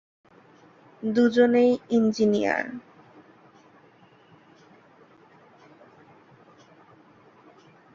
দুজনেই ইঞ্জিনিয়ার।